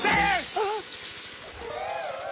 あっ。